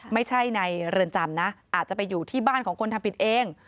ไม่ใช่ในเรือนจำนะอาจจะไปอยู่ที่บ้านของคนทำผิดเอง